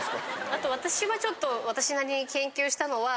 あと私はちょっと私なりに研究したのは。